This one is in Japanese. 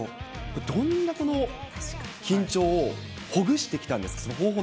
どんな緊張をほぐしてきたんですか？